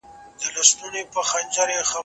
ټولنیز پیوستون د ژوند ساتنه کوي.